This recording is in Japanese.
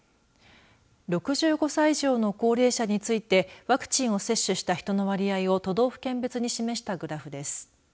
６５歳以上の高齢者についてワクチンを接種した人の割合を都道府県別に示したグラフです。